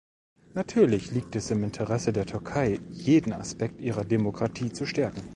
Natürlich liegt es im Interesse der Türkei, jeden Aspekt ihrer Demokratie zu stärken.